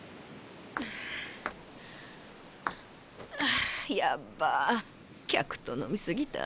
あやっば客と飲み過ぎた。